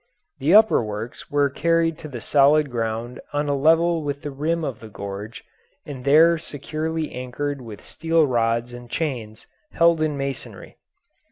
The upper works were carried to the solid ground on a level with the rim of the gorge and there securely anchored with steel rods and chains held in masonry.